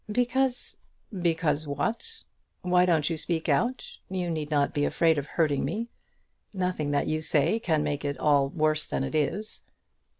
"Because " "Because what? Why don't you speak out? You need not be afraid of hurting me. Nothing that you can say can make it at all worse than it is."